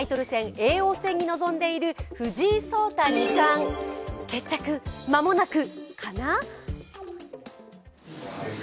叡王戦に臨んでいる藤井聡太二冠決着、間もなくかな？